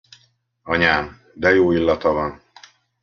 Anyám, de jó illata van.